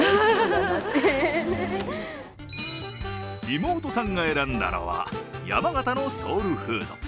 妹さんが選んだのは、山形のソウルフード。